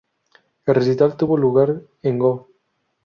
El recital tuvo lugar en Go!